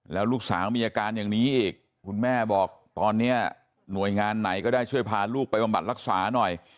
แล้วลูกสาวมีอาการอย่างนี้อีกคุณแม่บอกตอนนี้หน่วยงานไหนก็ได้ช่วยพาลูกไปบำบัดรักษาหน่อย